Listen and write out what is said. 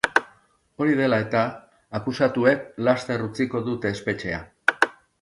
Hori dela eta, akusatuek laster utziko dute espetxea.